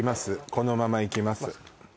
このままいきます